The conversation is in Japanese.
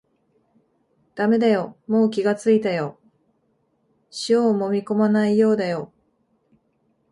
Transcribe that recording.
だめだよ、もう気がついたよ、塩をもみこまないようだよ